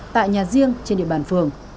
tại nhà riêng trên địa bàn phường